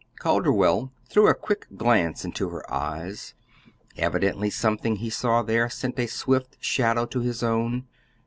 Calderwell threw a quick glance into her eyes. Evidently something he saw there sent a swift shadow to his own.